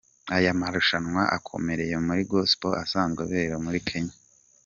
Aya marushanwa akomeye muri Gospel asanzwe abera muri Kenya.